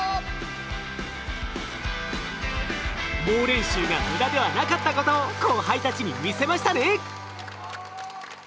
猛練習が無駄ではなかったことを後輩たちに見せましたね！